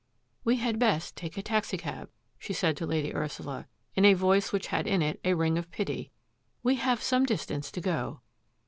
" We had best take a taxicab,'' she said to Lady Ursula, in a voice which had in it a ring of pity, " we have some distance to go."